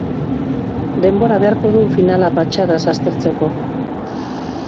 Denbora beharko du finala patxadaz aztertzeko.